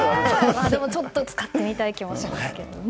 でもちょっと使ってみたい気もしますけどね。